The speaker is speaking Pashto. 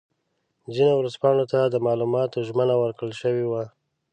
ځینو ورځپاڼو ته د معلوماتو ژمنه ورکړل شوې وه.